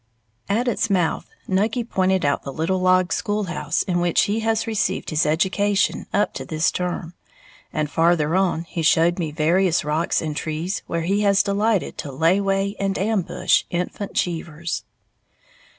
At its mouth, Nucky pointed out the little log school house in which he has received his education up to this term, and farther on he showed me various rocks and trees where he has delighted to "layway" and "ambush" infant Cheevers.